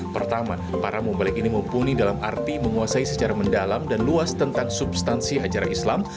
pertama para mubalik ini mumpuni dalam arti menguasai secara mendalam dan luas tentang substansi ajaran islam